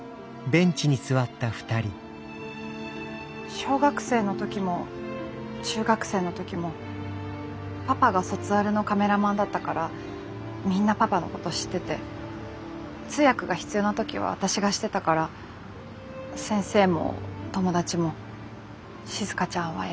小学生の時も中学生の時もパパが卒アルのカメラマンだったからみんなパパのこと知ってて通訳が必要な時は私がしてたから先生も友達も静ちゃんは偉いね親孝行だねって。